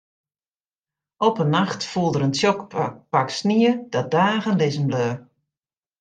Op in nacht foel der in tsjok pak snie dat dagen lizzen bleau.